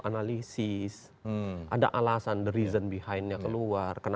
analisis ada alasan the reason behindnya keluar